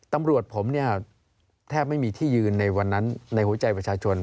ตำรวจผมเนี่ยแทบไม่มีที่ยืนในวันนั้นในหัวใจประชาชน